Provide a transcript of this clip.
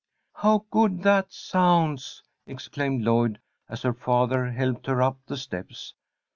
"How good that sounds!" exclaimed Lloyd, as her father helped her up the steps.